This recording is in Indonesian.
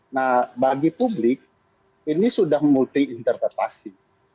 nah bagi publik ini sudah multi interpretasi